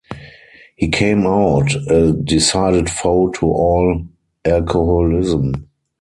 He came out a decided foe to all alcoholism.